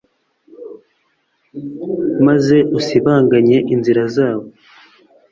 maze usibanganye inzira zabo